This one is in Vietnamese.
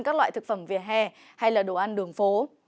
các loại thực phẩm vỉa hè hay đồ ăn đường phố